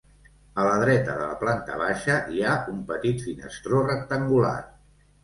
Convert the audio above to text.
A la dreta de la planta baixa hi ha un petit finestró rectangular.